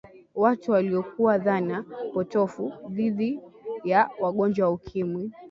watu walikuwa na dhana potofu dhidi ya wagonjwa wa ukimwi